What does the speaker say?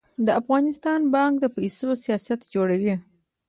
د افغانستان بانک د پیسو سیاست جوړوي